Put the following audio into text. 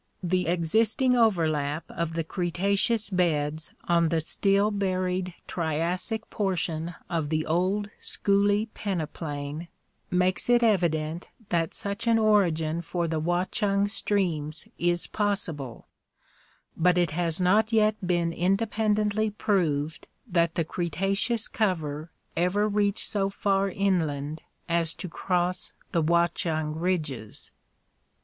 The existing overlap of the Cretaceous beds on the still buried Triassic portion of the old Schooley peneplain makes it evident that such an origin for the Watchung streams is possible; but it has not yet been indepen dently proved that the Cretaceous cover ever reached so far inland as to cross the Watchung ridges.